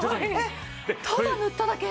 ただ塗っただけ。